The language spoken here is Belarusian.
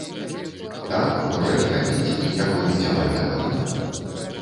Так, можа не хапіць і не хопіць амаль дакладна.